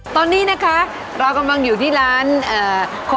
ตอนนี้นะคะเรากำลังอยู่ที่ร้าน